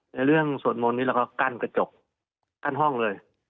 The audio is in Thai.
ในเรื่องสวดมนต์นี้เราก็กั้นกระจกกั้นห้องเลย